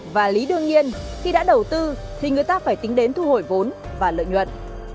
và lý đương nhiên khi đã đầu tư thì người ta phải tính đến thu hồi vốn và lợi nhuận